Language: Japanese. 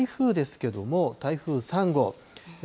そして台風ですけども、台風３号。